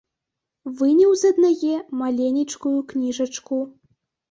Выняў з аднае маленечкую кніжачку.